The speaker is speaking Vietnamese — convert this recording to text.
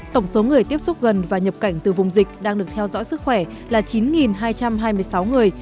tổng số người tiếp xúc gần và nhập cảnh từ vùng dịch đang được theo dõi sức khỏe là chín hai trăm hai mươi sáu người